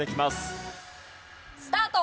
スタート！